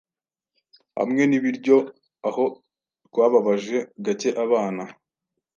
Hamwe nibiryo, aho twababaje gake abana